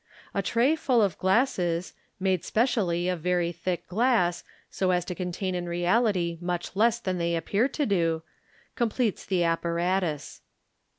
A tray full of glasses, made specially of very thick glass, so as to contain in reality much less than they appear to do, completes the apparatus.